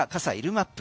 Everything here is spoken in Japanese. マップ。